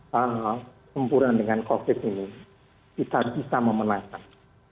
kempuran dengan covid sembilan belas ini kita bisa memanfaatkan